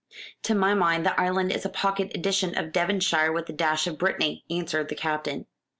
"To my mind the island is a pocket edition of Devonshire with a dash of Brittany," answered the Captain.